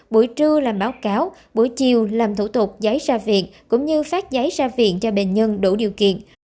buổi trưa làm báo cáo buổi chiều làm thủ tục giấy ra viện cũng như phát giấy ra viện cho bệnh nhân đủ điều kiện